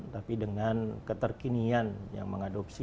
tapi dengan keterkinian yang mengadopsi